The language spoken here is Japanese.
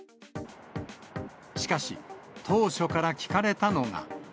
しかし、当初から聞かれたのが。